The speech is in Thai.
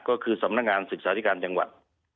ก็คือสำนักงานศึกษาธิการจังหวัด